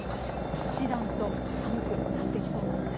一段と寒くなってきそうなんです。